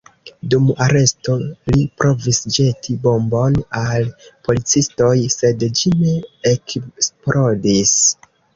Dum aresto li provis ĵeti bombon al policistoj, sed ĝi ne eksplodis.